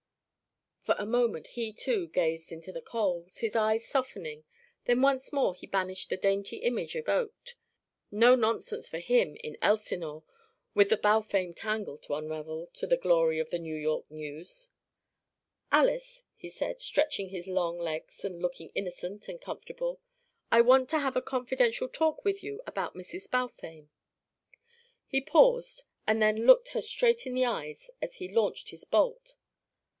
For a moment he, too, gazed into the coals, his eyes softening; then once more he banished the dainty image evoked; no nonsense for him in Elsinore, with the Balfame tangle to unravel to the glory of the New York News. "Alys," he said, stretching out his long legs and looking innocent and comfortable, "I want to have a confidential talk with you about Mrs. Balfame." He paused and then looked her straight in the eyes as he launched his bolt.